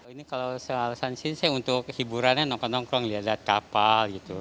ini kalau seharusnya untuk hiburannya nongkrong nongkrong lihat kapal gitu